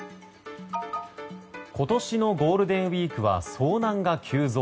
今年のゴールデンウィークは遭難が急増。